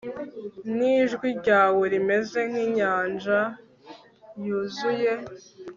Nijwi ryawe rimeze nkinyanja yuzuye